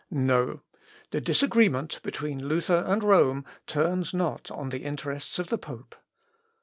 "No! the disagreement between Luther and Rome turns not on the interests of the pope.